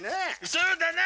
そうだな。